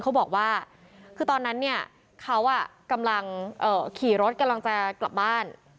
เขาบอกว่าคือตอนนั้นเนี่ยเขากำลังขี่รถกำลังจะกลับบ้าน